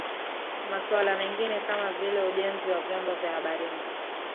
Masuala mengine kama vile ujenzi wa vyombo vya baharini